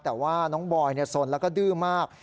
แต่ว่าน้องบอยสนแล้วก็ดื้อมาก